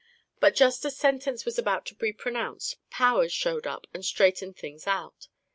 But just as sentence was about to be pronounced, Powers showed up and straightened things out.